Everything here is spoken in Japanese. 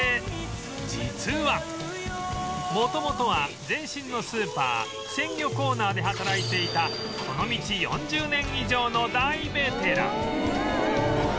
実は元々は前身のスーパー鮮魚コーナーで働いていたこの道４０年以上の大ベテラン